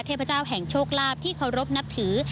เทพเจ้าแห่งโชคลาภที่เคารพนับถือ